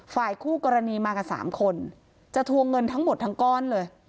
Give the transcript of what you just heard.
ฝ่ายคู่กรณีมากัน๓คนจะทวงเงินทั้งหมดทั้งก้อนเลย